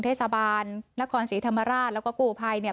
เทศบาลนครศรีธรรมราชแล้วก็กู้ภัยเนี่ย